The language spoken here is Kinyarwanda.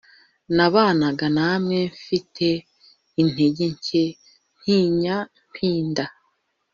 nabanaga namwe mfite intege nke ntinya mpinda